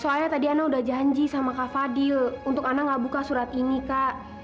soalnya tadi ana udah janji sama kak fadil untuk anda nggak buka surat ini kak